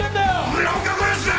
村岡殺しだ！